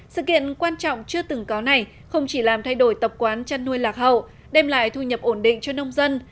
sự kiện quan trọng chưa từng có này không chỉ làm thay đổi tập quán chăn nuôi lạc hậu đem lại thu nhập ổn định cho nông dân